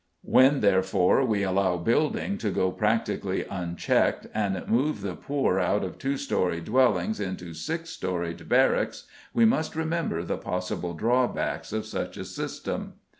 When, therefore, we allow building to go practically unchecked, and move the poor out of two storeyed dwellings into six storeyed barracks, we must remember the possible drawbacks of such a system.